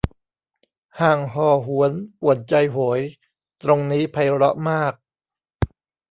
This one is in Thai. ห่างห่อหวนป่วนใจโหย ตรงนี้ไพเราะมาก